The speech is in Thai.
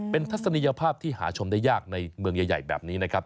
เป็นทัศนียภาพที่หาชมได้ยากในเมืองใหญ่แบบนี้นะครับ